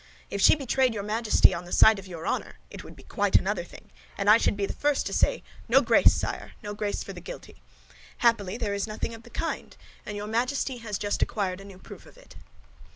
Oh, if she betrayed your Majesty on the side of your honor, it would be quite another thing, and I should be the first to say, 'No grace, sire—no grace for the guilty!' Happily, there is nothing of the kind, and your Majesty has just acquired a new proof of it."